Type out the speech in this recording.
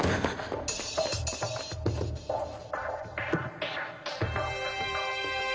あっ！